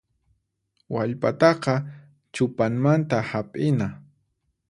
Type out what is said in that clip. Wallpataqa chupanmanta hap'ina.